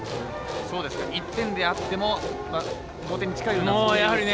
１点であっても同点に近いような。